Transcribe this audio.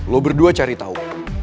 lo berdua cari tau